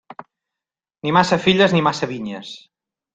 Ni massa filles ni massa vinyes.